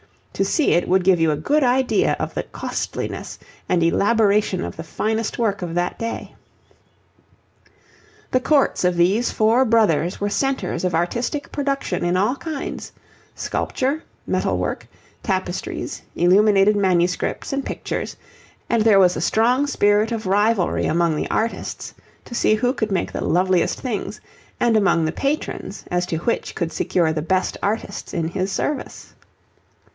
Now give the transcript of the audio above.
to see it would give you a good idea of the costliness and elaboration of the finest work of that day. The courts of these four brothers were centres of artistic production in all kinds sculpture, metal work, tapestries, illuminated manuscripts and pictures, and there was a strong spirit of rivalry among the artists to see who could make the loveliest things, and among the patrons as to which could secure the best artists in his service.